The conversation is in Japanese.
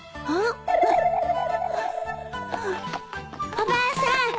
おばあさん